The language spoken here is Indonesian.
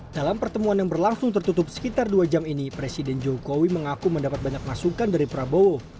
dalam pertemuan yang berlangsung tertutup sekitar dua jam ini presiden jokowi mengaku mendapat banyak masukan dari prabowo